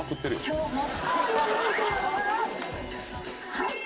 はい！